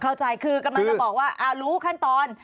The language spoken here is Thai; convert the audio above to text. เข้าใจคือกำลังจะบอกว่ารู้ขั้นตอน